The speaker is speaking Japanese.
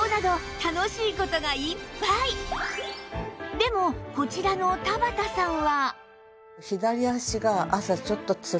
でもこちらの田畑さんは